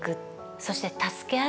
そして助け合い